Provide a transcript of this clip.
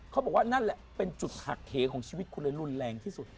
เขาบอกว่านั่นแหละเป็นจุดหักเหของชีวิตคุณเลยรุนแรงที่สุด